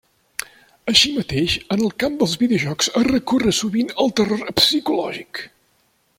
Així mateix, en el camp dels videojocs es recorre sovint al terror psicològic.